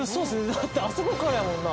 だってあそこからやもんな。